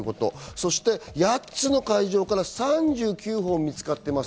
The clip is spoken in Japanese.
そして８つの会場から３９本、見つかっています。